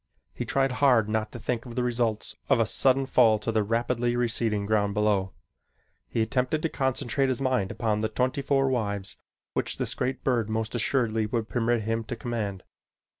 He tried hard not to think of the results of a sudden fall to the rapidly receding ground below. He attempted to concentrate his mind upon the twenty four wives which this great bird most assuredly would permit him to command.